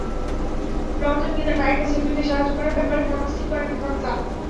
রমজানকে তার মায়ের কাছে ফিরতে সাহায্য করার ব্যাপারে মনস্থির করেন হামজা।